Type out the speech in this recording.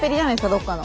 どっかの。